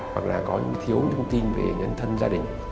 hoặc là có những thiếu thông tin về nhân thân gia đình